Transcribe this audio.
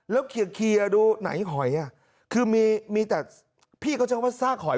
แล้วเคลียร์ดูไหนหอยอ่ะคือมีแต่พี่เขาใช้คำว่าซากหอย